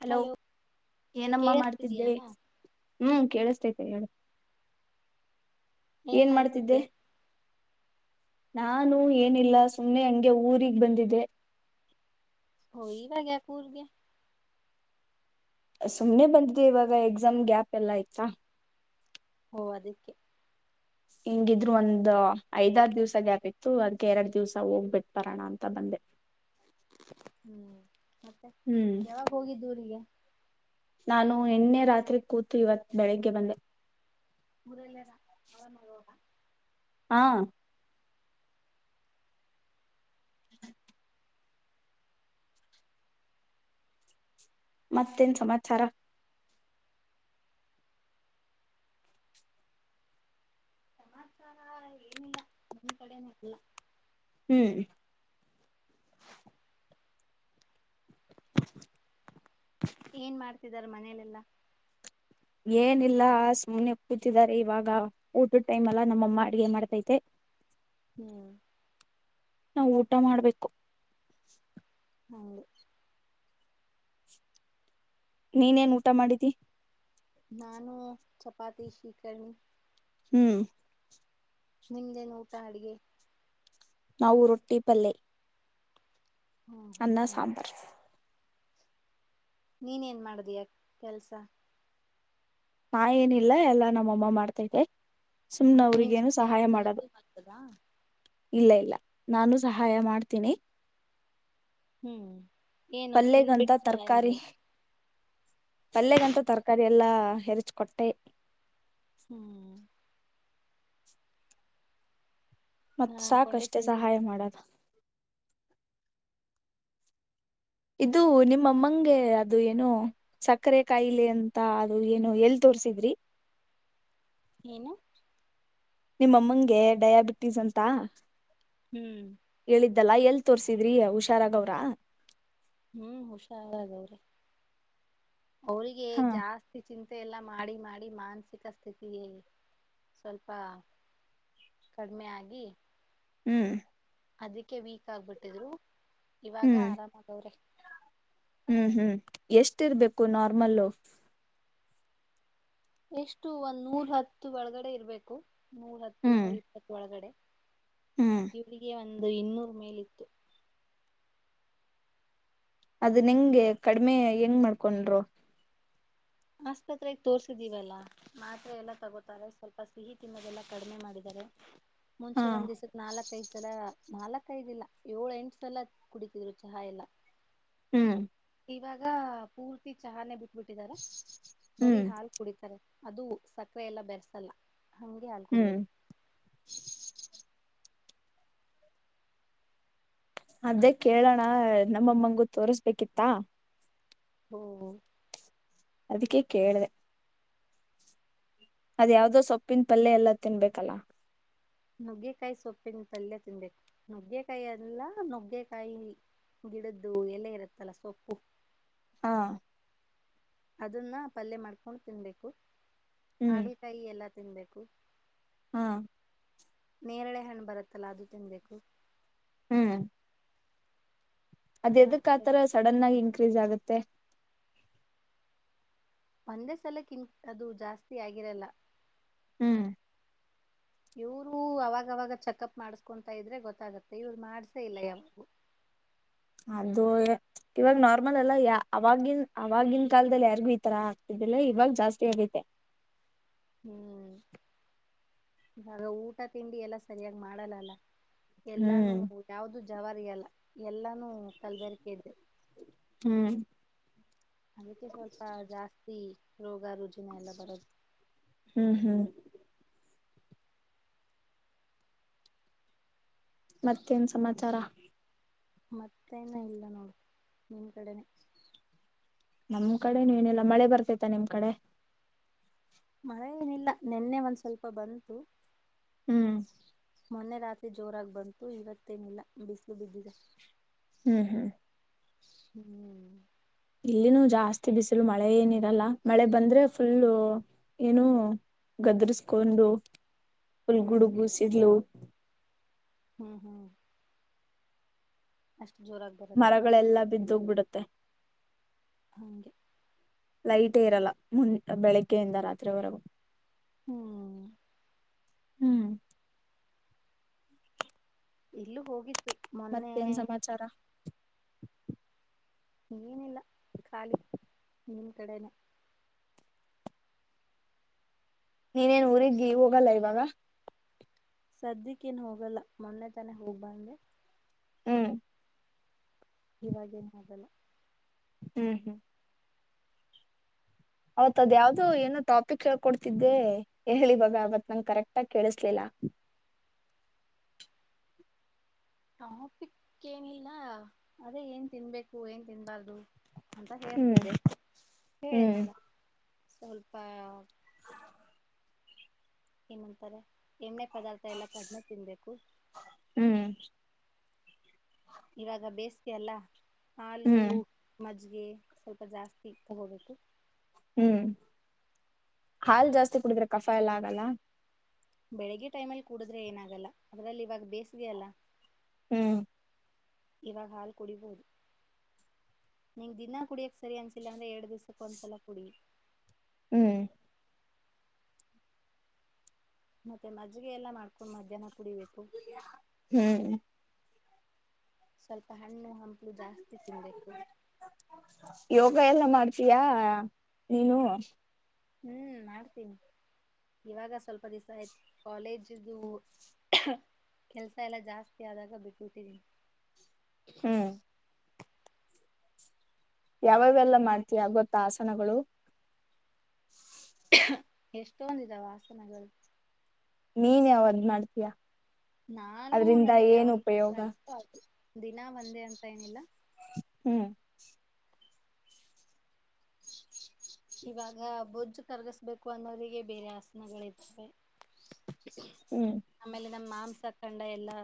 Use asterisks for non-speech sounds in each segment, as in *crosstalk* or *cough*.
Hello ಏನಮ್ಮ ಮಾಡ್ತಿದ್ದೆ ಕೇಳಿಸ್ತಿದಯಾ ಹ್ಮ್ ಕೇಳಿಸ್ತೈತೆ ಹೇಳು ಏನ್ ಮಾಡ್ತಿದ್ದೆ ನಾನು ಏನಿಲ್ಲ ಸುಮ್ಮನೆ ಹಂಗೆ ಊರಿಗೆ ಬಂದಿದೆೆ ಹೋಗ ವಗ ಪೂರ್ಗೆ ಸುಮ್ಮನೆ ಬಂದಿದೆ ಇವಾಗ ಎಕ್ಸಾಮ್ ಗ್ಯಾಪ್ ಎಲ್ಲ ಆಯ್ತಾ ಓ ಅದಕ್ಕೆ ಹಿಂಗಿದ್ರು ಒಂದ್ ಐದಾರ ದಿವ್ಸ ಗ್ಯಾಪಿತ್ತು ಅದ್ಕೆ ಎರಡ್ ದಿವ್ಸ ಹೋಗ್ಬಿಟ್ ಬರೋಣ ಅಂತ ಬಂದೆ ಹ್ಮ್ ಮತ್ತೆ ಹ್ಮ್ ಯಾವಾಗ ಹೋಗಿದೂರಿಗೆ ನಾನು ಎಣ್ಣೆ ರಾತ್ರಿ ಕೂತು ಇವತ್ ಬೆಳಿಗ್ಗೆ ಬಂದೆ ಮುರಲ್ಲದಾ ಅವರ ಮವತ *unintelligible* ಹಾ ಮತ್ತೇನ್ ಸಮಾಚಾರ ಸಮಾಚಾರ ಏನಿಲ್ಲ ನಿಮ ಕಡೆನ ಇಲ್ಲ ಹ್ಮ್ ಏನ್ *unintelligible* ಮಾಡ್ತಿದ್ದಾರೆ ಮನೇಲೆಲ್ಲಾ ಏನಿಲ್ಲ ಸಮುನೆೆ ಕೂತಿದ್ದಾರೆ ಇವಾಗ ಊಟದ ಟೈಮ್ ಅಲ್ಲ ನಮ್ಮಮ್ಮ ಅಡಗೆ ಮಾಡ್ತೈತೆ ಹ್ಮ್ ನಾವು ಊಟ ಮಾಡ್ಬೇಕು ಹೌದು ನೀನೇನೂ ಊಟ ಮಾಡಿದ್ದಿ ನಾನು ಚಪಾತಿ ಶೀಕರ್ಣಿ ಹ್ಮ್ ನಿಮ್ದೇನು ಊಟ ಅಡ್ಗೆ ನಾವು ರೊಟ್ಟಿ ಪಲ್ಲೆ ಹ್ಮ್ ಅನ್ನ ಹ್ಮ್ ಸಾಂಬಾರ್ ನೀನ್ ಏನ್ ಮಾಡದಿಯಾ ಕೆಲ್ಸ ನಾ ಏನಿಲ್ಲ ಎಲ್ಲಾ ನಮ್ಮಮ್ಮ ಮಾಡ್ತಿದ್ದೆ ನೀನ್ ಸನ್ನ *unintelligible* ಇನ್ನತ್ತ ಮಾಡತದಾ ಇಲ್ಲ ಇಲ್ಲ ನಾನು ಸಹಾಯ ಮಾಡ್ತೀನಿ ಹ್ಮ್ ಏನು ಪಲ್ಲೆಗಂತ ತಿಂದ್ಬಿಟ್ಟು ಸಹಾಯ ತರಕಾರಿ ಮಾಡದು ಪಲ್ಯಗಂತ ತರಕಾರಿ ಎಲ್ಲಾ ಹೆರಚ್ಕೊಟ್ಟೆ ಹ್ಮ್ ಮತ್ ನಾನ್ ಅನ್ಕೊಂಡೆ ಸಾಕಷ್ಟೆ ತಿನ್ ಸಹಾಯ ಮಾಡದು ಇದು ನಿಮ್ಮ ಅಮ್ಮಂಗೆ ಅದು ಏನೋ ಸಕ್ಕರೆ ಕಾಯಿಲೆ ಅಂತ ಅದು ಏನು ಎಲ್ ತೋರ್ಸಿದ್ರಿ ಏನು ನಿಮ್ಮಮ್ಮಂಗೆ ಡಯಾಬಿಟೀಸ್ ಅಂತ ಹ್ಮ್ ಲ್ಲಾ ಎಲ್ ತೋರ್ಸಿದ್ರಿ ಹುಷಾರಾಗ ಅವ್ರ ಹ್ಮ್ ಹುಷಾರಾಗ್ವಾರೆ ಅವರಿಗೆ ಹಾ ಜಾಸ್ತಿ ಚಿ *unintelligible* ಮ *unintelligible* ಎಲ್ಲ ಮಾಡಿ ಮಾಡಿ ಮಾನಸಿಕ ಸ್ಥಿತಿ ಸ್ವಲ್ಪ ಕಡಿಮೆ ಆಗಿ ಹ್ಮ್ ಅದಕ್ಕೆ ವೀಕ್ ಆಗ್ಬಿಟ್ಟಿದ್ರು ಇವಾಗ ಹ್ಮ್ ಆರಾಮಗವ್ರೆ ಹ್ಮ್ ಹ್ಮ್ ಎಷ್ಟಿರ್ಬೇಕು ನಾರ್ಮಲ್ಲು ಎಷ್ಟು ಒಂದ್ ನೂರ್ ಹತ್ತು ಒಳಗಡೆ ಇರ್ಬೇಕು ನೂರ ಹತ್ತು ಹ್ಮ್ ನೂರ ಇಪ್ಪತ್ತ ಒಳಗಡೆ ಹ್ಮ್ ಇವ್ರರಿಗೆ ಒಂದು ಇನ್ನೂರ್ ಮೇಲಿತ್ತು ಅದನ್ ಹೆಂಗೆ ಕಡಿಮೆ ಹೆಂಗ ಮಾಡ್ಕೊಂಡರು ಆಸ್ಪತ್ರೆಗ್ ತೋರ್ಸಿದೀವಲ್ಲಾ ಮಾತ್ರೆ ಎಲ್ಲಾ ತಗೋತಾರೆ ಸ್ವಲ್ಪ ಸಿಹಿ ತಿನ್ನೋದೆಲ್ಲಾ ಕಡಿಮೆ ಮಾಡಿದಿದ್ದಾರೆ ಹಾ ಮುಂಚೆ ಒಂದಿಸಕ್ ನಾಲ್ಕೈದು ಸಲ ನಾಲ್ಕ ಐದಿಲ್ಲ ಏಳು ಎಂಟು ಸಲ ಕುಡಿತಿದ್ರು ಚಹಾ ಎಲ್ಲ ಹ್ಮ್ ಇವಾಗ ಪೂರ್ತಿ ಚಹಾನೆ ಬಿಟ್ಟ ಬಿಟ್ಟಿದಾರೆ ಬರೀ ಹ್ಮ್ ಹಾಲು ಕುಡಿತಾರೆ ಅದು ಸಕ್ಕರೆ ಎಲ್ಲಾ ಬೆರೆಸಲ್ಲ ಹಂಗೆ ಹಾಲ್ ಹ್ಮ್ ಕುಡಿಯೋದು ಅದೇ ಕೇಳೋಣ ನಮ್ಮಮ್ಮಂಗೂ ತೋರ್ಸ್ಬೇಕಿತ್ತಾ ಹ್ಮ ಅದಕ್ಕೆೇ ಕೇಳಿದೆ ಅದ ಯಾವ್ದೋ ಸೊಪ್ಪಿನ ಪಲ್ಯ ಎಲ್ಲಾ ತಿನ್ಬೇಕಲ್ಲ ನುಗ್ಗೆಕಾಯಿ ಸೊಪ್ಪಿನ ತಲ್ಲೆ ತಿನ್ಬೇಕು ನುಗ್ಗೆಕಾಯಿ ಎಲ್ಲ ನುಗ್ಗೆಕಾಯಿ ಗಿಡದ್ದು ಎಲೆ ಇರುತ್ತಲ್ಲ ಸೊಪ್ಪು ಹಾ ಅದನ್ನ ಪಲ್ಯ ಮಾಡ್ಕೊಂಡು ತಿನ್ಬೇಕು ಹಾಗಲಕಾಯಿ ಎಲ್ಲ ತಿನ್ಬೇಕು ಹ್ಮ ನೇರಳೆ ಹಣ್ಣು ಬರುತ್ತಲ್ಲ, ಅದು ತಿನ್ಬೇಕು. ಹ್ಮು. ಅದ್ ಎದಕ್ ಮತ್ತೆ ಆತರ ಸಡನ್ ಆಗ್ ಇನ್ ಕ್ರೀಸ್ ಆಗುತ್ತೆ. ಒಂದೇ ಸಲಕ್ ಇನ್ಕ್ ಅದು ಜಾಸ್ತಿ ಆಗಿರಲ್ಲ. ಹ್ಮು. ಇವ್ರೂ ಅವಾಗವಾಗ ಚೆಕಪ್ ಮಾಡಸ್ಕೊಂತಾ ಇದ್ರೆ ಗೊತ್ತಾಗತ್ತೆ ಇವ್ರು ಮಾಡ್ಸೇ ಇಲ್ಲ ಯಾವಾಗ್ಲು. ಅದು ಇವಾಗ್ ಇವಾಗ್ ನಾರ್ಮಲ್ ಅಲ್ಲ ಯ ಆವಾಗಿನ್ ಆವಾಗಿನ್ ಕಾಲ್ದಲ್ ಯಾರ್ಗೂ ಈ ತರ ಆಗ್ತಿದ್ದಿಲ್ಲ ಇವಾಗ್ ಜಾಸ್ತಿ ಆಗೈತೆ. ಹ್ಮೂ ಇವಾಗ ಊಟ ತಿಂಡಿ ಎಲ್ಲ ಸರಿಯಾಗ್ ಮಾಡಲ್ಲ ಅಲ್ಲ. ಎಲ್ಲಾನೂ ಹ್ಮ್ ಯಾವ್ದು ಜವಾರಿಯಲ್ಲ ಎಲ್ಲಾನು ಕಲ್ಬೆರ್ಕೆಯದ್ದೇ ಹ್ಮ್ ಅದಕ್ಕೆ ಸ್ವಲ್ಪ ಜಾಸ್ತಿ ರೋಗ ರುಜಿನ ಎಲ್ಲ ಬರೋದು. ಹ್ಮ್ ಹ್ಮ್ ಮತ್ತೇನ್ ಸಮಾಚಾರ? ಮತ್ತೆನ ಇಲ್ಲ ನೋಡು ನಿನ್ ಕಡೆನೆ ನಮ್ ಕಡೆೇನು ಏನೆಲ್ಲಾ ಮಳೆ ಬರ್ತೈತ ನಿಮ್ ಕಡೆ ಮಳೆ ಏನಿಲ್ಲ ನೆನ್ನೆ ಒಂದ್ ಸ್ವಲ್ಪ ಬಂತು ಹ್ಮ್ ಮೊನ್ನೆ ರಾತ್ರಿ ಜೋರಾಗಿ ಬಂತು ಇವತ್ತೇನಿಲ್ಲ ಬಿಸಿಲು ಬಿದ್ದಿದೆ ಹ್ಮ್ ಹ್ಮ್ ಹ್ಮ್ ಇಲ್ಲಿನೂ ಜಾಸ್ತಿ ಬಿಸಿಲು ಮಳೆ ಏನಿರಲ್ಲ ಮಳೆ ಬಂದ್ರೆ ಫುಲ್ ಏನು ಗದ್ರಸ್ಕೊಂಡು ಪುಲ್ ಹ್ಮ್ ಗುಡುಗು ಸಿಡ್ಲು ಹ್ಮ್ ಹ್ಮ್ ಅಷ್ಟು ಜೋರಾಗಿ ಬರತ್ತಾ ಮರಗಳೆಲ್ಲಾ ಬಿದ್ದೋಗ್ಬಿಡುತ್ತೆ ತ್ತ *inaudible* ಲೈಟೇ ಇರಲ್ಲ ಮುನ್ ಬೆಳಗ್ಗೆಯಿಂದ ರಾತ್ರಿವರೆಗೂ ಹ್ಮ್ ಹ್ಮ್ ಇಲ್ಲೂ ಹೋಗಿತ್ತು ಮೊನ್ನೆ ಮತ್ತೇನ್ ಸಮಾಚಾರ ಏನಿಲ್ಲ ಖಾಲಿ ನಿಮ್ಮ ಕಡೆನೆ ನೀನೇನ್ ಊರಿಗೆ ಹೋಗಲ್ಲ ಇವಾಗ ಸದ್ಯಕ್ಕ ಏನ್ ಹೋಗಲ್ಲ ಮೊನ್ನೆ ತಾನೆ ಹೋಗ್ಬಂದೆ ಹ್ಮ್ ಇವಾಗೇನ್ ಹಾಗಲ್ಲ ಹ್ಮ್ ಹ್ಮ್ ಅವೌತ್ ಅದ ಯಾವ್ದೋ ಏನೋ ಟಾಪಿಕ್ ಹೇಳ್ಕೊಡ್ತಿದ್ದೆ ಹೇಳಿ ಬಗ ಅವತ್ ನಂಗೆ ಕರೆಕ್ಟ್ಗ ಕೇಳಿಸ್ಲಿಲ್ಲ ಟಾಪಿಕ್ ಏನಿಲ್ಲ ಅದೇ ಏನ್ ತಿನ್ಬೇಕು ಏನ್ ತಿನ್ಬಾರ್ದು ಅಂತ ಹ್ಮ್ ಹೇಳ್ತಿದ್ದೆ ಹ್ಮ್ ಹೇಳಿದ್ನಲ್ಲ ಸ್ವಲ್ಪ ಏನಂತಾರೆ ಎಣ್ಣೆ ಪದಾರ್ಥ ಎಲ್ಲ ಕಡಿಮೆ ತಿನ್ಬೇಕು ಹ್ಮ್ ಇವಾಗ ಬೇಸಿಗೆ ಅಲ್ಲ ಆಲೂ ಹ್ಮ್ ಮ *unintelligible* ಗೆ ಸ್ವಲ್ಪ ಜಾಸ್ತಿ ತಗೋಬೇಕು ಹ್ಮ್ ಹಾಲ್ ಜಾಸ್ತಿ ಕುಡಿದ್ರೆ ಕಫ ಎಲ್ಲ ಆಗಲ್ಲ ಬೆಳಿಗ್ಗೆ ಟೈಮಲ್ಲಿ ಕುಡಿದ್ರೆ ಏನಾಗಲ್ಲ ಅದ್ರಲ್ಲಿ ಇವಾಗ ಬೇಸಿಗೆ ಅಲ್ಲ ಹ್ಮ್ ಇವಾಗ ಹಾಲ್ ಕುಡಿಬೋದು ನಿಂಗ ದಿನಾ ಕುಡಿಯಕ್ ಸರಿ ಅನ್ಸಿಲ್ಲ ಅಂದ್ರೆ ಎರಡ್ ದಿವ್ಸಕ್ ಒಂದ್ಸಲ ಕುಡಿ ಹ್ಮ್ ಮತ್ತೆ ಮಜ್ಜಿಗೆ ಎಲ್ಲಾ ಮಾಡ್ಕೊ ಮಧ್ಯಾಹ್ನ ಕುಡಿಬೇಕೇಕು ಹ್ಮ್ ಸ್ವಲ್ಪ ಹ ಹಣ್ಣು ಹಂಪಲು ಜಾಸ್ತಿ ತಿನ್ಬೇಕು ಯೋಗ ಎಲ್ಲ ಮಾಡ್ತೀಯಾ ನೀನು ಹ್ಮ್ ಮಾಡ್ತೀನಿ ಇವಾಗ ಸ್ವಲ್ಪ ದಿವಸ ಆಯ್ತು ಕಾಲೇಜ್ದು ಕೆಲ್ಸ ಎಲ್ಲ ಜಾಸ್ತಿ ಆದಾಗ ಬಿಟ್ಟತನಿ ಹ್ಮ್ ಯಾವಾಗೆಲ್ಲ ಮಾಡ್ತೀಯ ಗೊತ್ತ ಆಸನಗಳು ಎಷ್ಟೊಂದಿದ ವಾಸನಗಳು ನೀನ್ ಯಾವದ್ ಮಾಡ್ತೀಯಾ ನಾನು ನನಗೆ ಯಾವಾಗ ಉಪಯೋಗ ಅರ್ಥ ಆಲಿ ದಿನಾ ಬಂದೆ ಅಂತ ಏನಿಲ್ಲ ಹ್ಮ್ ಇವಾಗ ಬೊಜ್ಜು ಕರ್ಗಿಸಬೇಕು ಅನ್ನೋರಿಗೆ ಬೇರೆ ಆಸನಗಳರ್ತವೆ ಹ್ಮ್ ನಮ್ಮ ಮಾಂಸಖಂಡ ಎಲ್ಲಾ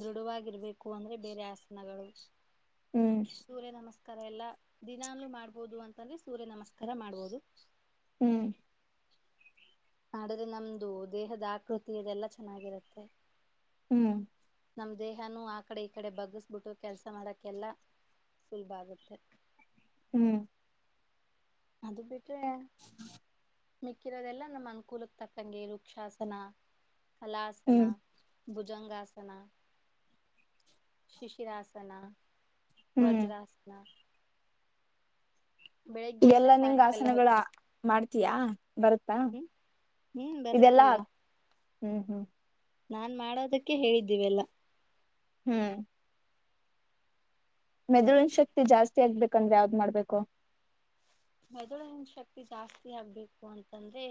ದೃಢವಾಗಿರ್ಬೇಕು ಅಂದ್ರೆ ಬೇರೆ ಆಸನಗಳು ಹ್ಮ್ ಸೂರ್ಯ ನಮಸ್ತೆ ಎಲ್ಲಾ ದಿನಲ್ಲೂ ಮಾಡ್ಬೋುದು ಅಂತಂದ್ರೆ ಸೂರ್ಯ ನಮಸ್ಕಾರ ತರ ಮಾಡ್ಬೋದು ಹ್ಮ್ ಆದಡ್ರೆ ನಮ್ದು ದೇಹದ ಆಕೃತಿ ಇದೆಲ್ಲಾ ಚೆನ್ನಾಗಿರುತ್ತೆ ಹ್ಮ್ ನಮ್ಮ್ ದೇಹನು ಆ ಕಡೆ ಈ ಕಡೆ ಬಗ್ಗಿಸಬಿಟ್ಟು ಕೆಲಸ ಮಾಡಕ್ಕೆಲ್ಲ ಸುಲಭ ಆಗುತ್ತೆ ಹ್ಮ್ ಅ ಹ ಮಿಕ್ಕಿರೋದೆಲ್ಲ ನಮ್ಮ್ ಅನುಕೂಲಕ್ಕೆ ತಕ್ಕಂಗೆ ವರುಕ್ಷಾಸನ ಅಲ್ಲಾಸನ ಹ್ಮ್ ಭುಜಂಗಾಸನ ಶಿಶಿರಾಸನ ಹ್ಮ್ ವಜ್ರಾಸನ ಬೆಳಿಗ್ಗೆ ಇಲ್ಲ ಎಲ್ಲಾ ನಿಂಗ ಸಾಯಂಕಾಲ ಆಸನಗಳ ಹೊತ್ತು ಮಾಡ್ತಯಾ ಬರುತ್ತಾ ಹ್ಮ್ ಹ್ಮ್ ಇದೆಲ್ಲಾ ಬರುತ್ತಲ್ಲ ಹ್ಮ್ ಹ್ಮ್ ನಾನ್ ಮಾಡೋದಕ್ಕೆ ಹೇಳಿದ್ದೀವೆಲ್ಲ ಹ್ಮ್ ಮೆದುಳಿನ ಶಕ್ತಿ ಜಾಸ್ತಿ ಆಗ್ಬೇಕಂದ್ರೆ ಯಾವ್ದ್ ಮಾಡ್ಬೇಕು ಮದಳನ ಶಕ್ತಿ ಜಾಸ್ತಿ ಆಗ್ಬೇಕು ಅಂತಂದ್ರೆ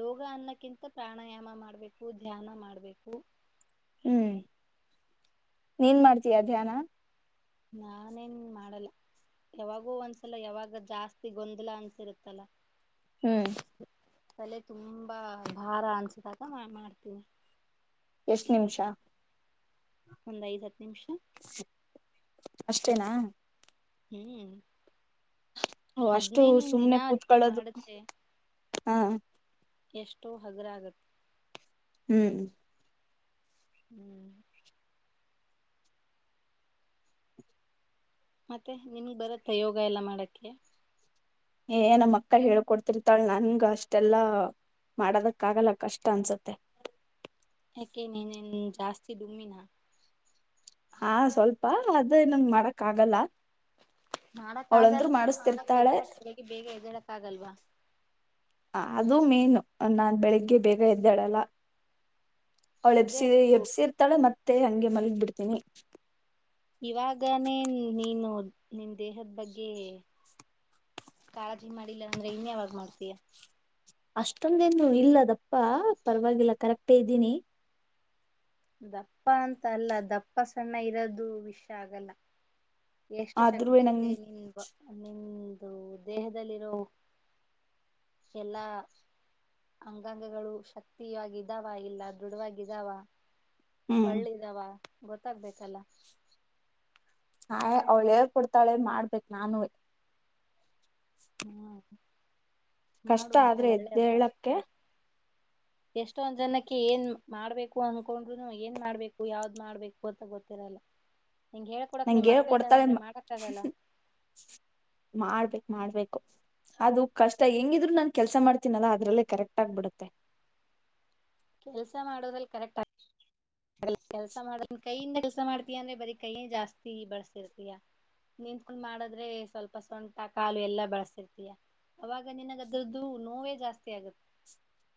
ಯೋಗ ಅನ್ನಕ್ಕಿಂತ ಪ್ರಾಣಾಯಾಮ ಮಾಡ್ಬೇಕು ಧ್ಯಾನ ಮಾಡ್ಬೇಕು ಹ್ಮ್ ನೀನ್ ಮಾಡ್ತೀಯಾ ಧ್ಯಾನ ನಾನೇನ್ ಮಾಡಲ್ಲ ಯಾವಾಗೂ ಒಂದ್ಸಲ ಯಾವಾಗ ಜಾಸ್ತಿ ಗೊಂದಲ ಅನ್ಸಿರುತ್ತಲ್ಲ ಹ್ಮ್ ತಲೆ ತುಂಬಾ ಭಾರ ಅನ್ಸದಾಗ್ ಮಾಡ್ ಮಾಡ್ತೀನಿ. ಎಷ್ಟು ನಿಮಿಷ ಒಂದ ಐದು ಹತ್ತು ನಿಮಿಷ. ಅಷ್ಟೇನಾ ಹ್ಮ್. ಅಷ್ಟು ಅದ್ನೇ ನೀನ್ ಸುಮ್ನೆ ದಿನ ದಿನ ಕೂತ್ಕೊಳ್ಳೋದು ಮಾಡುತ್ತೆ ಆಂ. ಎಷ್ಟೋ ಹಗುರ ಆಗತ್ ಹ್ಮು. ಹ್ಮ್ ಮತ್ತೆ ನಿಮಿಗ್ ಬರತ್ತ ಯೋಗ ಎಲ್ಲ ಮಾಡಕ್ಕೆ. ಏ ನಮ್ಮಕ್ಕ ಹೇಳ್ಕೊಡ್ತಿರ್ತಾಳ ನನ್ಗ ಅಷ್ಟೆಲ್ಲಾ ಮಾಡದಕ್ಕ ಆಗಲ್ಲ ಕಷ್ಟ ಅನ್ಸತ್ತೆ. ಯಾಕೆ ನೀನೆನ್ ಜಾಸ್ತಿ ಡುಮ್ಮಿನ. ಹಾ ಸ್ವಲ್ಪ ಅದೇ ನಂಗ್ ಮಾಡಕ್ ಆಗಲ್ಲ. ಮಾಡಕ್ ಅವಳಂದ್ರು ಆಗಲ್ವಾ ಮಾಡಕ್ ಮಾಡಿಸ್ತಿರ್ತಾಳೆ ಎದಳಕ್ ಬೆಳಗ್ಗೆ ಬೇಗ ಎದ್ದೆಳಕ್ ಆಗಲ್ವ? ಅದು ಮೇನ್ ನಾನ್ ಬೆಳಿಗ್ಗೆ ಬೇಗ ಎದ್ದೇಳಲ್ಲ ಅವಳ ಎಪ್ಸಿ ಎದ್ದೇಳ್ಬೇಕು ಎಪ್ಸಿ ಇರ್ತಾಳೆ ಮತ್ ಮತ್ತೆ ಹಂಗೆ ಮಲಗ್ ಬಿಡ್ತೀನಿ. ಇವಾಗನೇ ನೀನು ನಿನ್ ದೇಹದ ಬಗ್ಗೆ ಕಾಳಜಿ ಮಾಡಿಲ್ಲ ಅಂದ್ರೆ ಇನ್ ಯಾವಾಗ ಮಾಡ್ತೀಯ? ಅಷ್ಟೊಂದೇನು ಇಲ್ಲ ದಪ್ಪಾ ಪರವಾಗಿಲ್ಲ ಕರೆಕ್ಟೇ ಇದ್ದೀನಿ. ದಪ್ಪ ಅಂತಲ್ಲ ದಪ್ಪ ಸಣ್ಣ ಇರೋದು ವಿಶ್ಯ ಆಗಲ್ಲ. ಎಷ್ಟು ಆದ್ರೂವೆ ಶಕ್ತಿ ನಂಗ್ ಇದೆ ನಿನ್ ಬ ಹ್ಮ್ ನಿನ್ ದೇಹದಲ್ಲಿರೋ ಎಲ್ಲಾ ಅಂಗಾಂಗಗಳು ಶಕ್ತಿಯಾಗ್ ಇದ್ದಾವ ಇಲ್ಲ ದೃಢವಾಗಿದ್ದಾವ? ಹ್ಮ್ ಒಳ್ಳಿದಾವ ಗೊತ್ತಾಗ್ಬೇಕಲ್ಲ. ಹ ಯ್ ಅವ್ಳ್ ಹೇಳ್ ಕೊಡ್ತಾಳೆ ಮಾಡ್ಬೇಕ್ ನಾನುವೆ. ಹ್ಮ್ ಕಷ್ಟ ಮಾಡು ಮತ್ತೆ ಆದ್ರೆ ಒಳ್ಳೆ ಅಭ್ಯಾಸ ಎದ್ದೇಳಕ್ಕೆ ಎಷ್ಟೊಂದ್ ಜನಕ್ಕೆ ಏನ್ ಮಾಡ್ಬೇಕು ಅನ್ಕೊಂಡ್ರುನು ಏನ್ ಮಾಡ್ಬೇಕು ಯಾವ್ದ್ ಮಾಡ್ಬೇಕು ಅಂತ ಗೊತ್ತಿರಲ್ಲ. ನಿಂಗ್ ಹೇಳ್ಕೊಡಕ್ ನಿಮ್ ನಂಗೆ ಅಕ್ಕ ಇದ್ದಾಳ್ ಹೇಳ್ಕೊಡ್ತಾಳೆ ಅಂದ್ರೆ ಮಾಡಕ್ ಆಗಲ್ಲ. ಮಾಡ್ಬೇಕ್ ಮಾಡ್ಬೇಕು ಅದು ಕಷ್ಟ ಹೆಂಗಿದ್ರು ನಾನ್ ಕೆಲ್ಸ ಮಾಡ್ತೀನಲ್ಲ ಅದ್ರಲ್ಲೇ ಕರೆಕ್ಟ್ ಆಗ್ಬಿಡುತ್ತೆ. ಕೆಲ್ಸ ಮಾಡೋದ್ರಲ್ಲಿ ಕರೆಕ್ಟ್ ಆ ಕೆಲಸ ಮಾಡ ಕೈಯಿಂದ ಕೆಲ್ಸ ಮಾಡ್ತಿಯ ಅಂದ್ರೆ ಬರೀ ಕೈಯೇ ಜಾಸ್ತಿ ಬಳಸ್ತಿರ್ತಿಯ ನಿಂತ್ಕೊಂಡ್ ಮಾಡುದ್ರೆ ಸ್ವಲ್ಪ ಸೊಂಟ ಕಾಲು ಎಲ್ಲಾ ಬಳಸ್ತಿರ್ತೀಯ ಅವಾಗ ನಿನಗದ್ರದ್ದು ನೋವೇ ಜಾಸ್ತಿ ಆಗುತ್ತೆ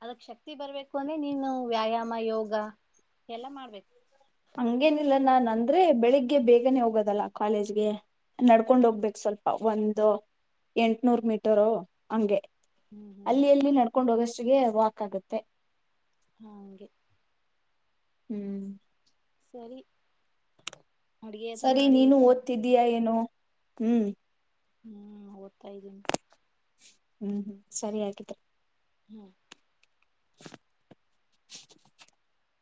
ಅದಕ್ ಶಕ್ತಿ ಬರ್ಬೇಕು ಅಂದ್ರೆ ನೀನು ವ್ಯಾಯಾಮ ಯೋಗ ಎಲ್ಲಾ ಮಾಡ್ಬೇಕ್ ಹಂಗೇನಿಲ್ಲ ನಾನ್ ಅಂದ್ರೆ ಬೆಳಿಗ್ಗೆ ಬೇಗನೆ ಹೋಗದಲ್ಲ ಕಾಲೇಜ್ಗೆ ನಡ್ಕೊಂಡ್ ಹೋಗ್ಬೇಕ್ ಸ್ವಲ್ ಒಂದು ಎಂಟ್ನೂರ್ ಮೀಟರು ಹಂಗೆ. ಹ್ಮ್ ಹ್ಮ್ ಅಲ್ಲಿ ಅಲ್ಲಿ ನಡ್ಕೊಂಡು ಹೋಗಷ್ ತ್ಗೆ ವಾಕ್ ಆಗುತ್ತೆ. ಹಂಗೆ ಹ್ಮ್ ಸರಿ ಅಡ್ಗೆ ಅದು ಸರಿ ಮಾಡಿ ನೀನು ಊಟ ಮಾಡಿ ಓದ್ತಿದ್ದೀಯಾ ಏನೋ? ಹ್ಮ್ ಹ್ಮ್ ಓದ್ತಾ ಇದ್ದೀನಿ. ಹ್ಮ್ ಹ್ಮ್ ಸರಿ ಆಯ್ತು ತ ಹ್ಮ್ ಢ್